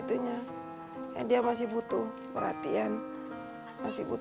iya karena anak anak ini